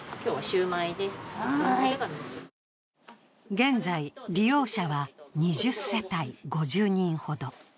現在、利用者は２０世帯５０人ほど。